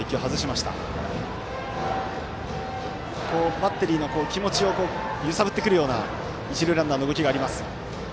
バッテリーの気持ちを揺さぶってくるような一塁ランナーの動きがあります。